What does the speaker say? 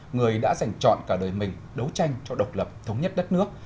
người đã giành chọn cả đời mình đấu tranh cho độc lập thống nhất đất nước